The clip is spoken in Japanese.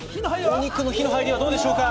お肉の火の入りはどうでしょうか？